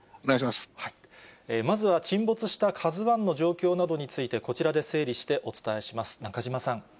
まずは沈没したＫＡＺＵＩの状況などについて、こちらで整理してお伝えします。